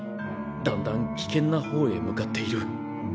だんだん危険な方へ向かっている。